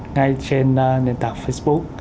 ngay trên nền tảng facebook